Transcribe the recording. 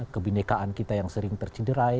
kebenekaan kita yang sering tercederai